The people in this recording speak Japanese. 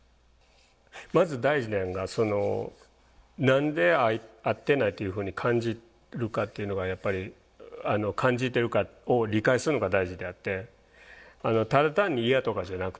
まず大事なんが何で合ってないというふうに感じるかっていうのがやっぱり感じてるかを理解するのが大事であってただ単に嫌とかじゃなくて。